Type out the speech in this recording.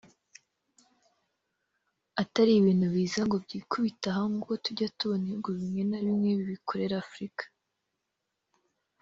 atari ibintu biza ngo byikubite aha nk’uko tujya tubona ibihugu bimwe na bimwe bibikorera Afurika